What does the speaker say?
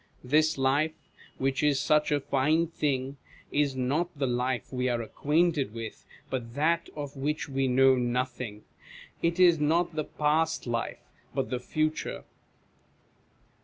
This life, which is such a fine thing, is not the life we are acquainted with, but that of which we know nothing ; it is not the past life, but the future.